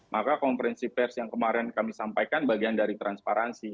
maka konferensi pers yang kemarin kami sampaikan bagian dari transparansi